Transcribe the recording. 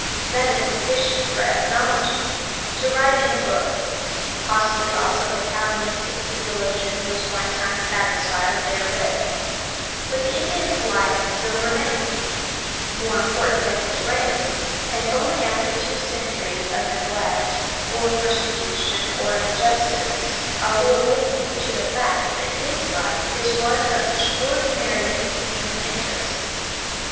That is sufficient for ethnology; to write in a book: possibly also the Calvinistic theologian was one time satisfied therewith; but the Indian's life still remains, more important than his race, and only after two centuries of neglect, or persecution, or injustice, are we awaking to the fact that his life is one of extraordinary human interest.